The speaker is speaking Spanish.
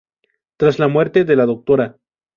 Tras la muerte de la Dra.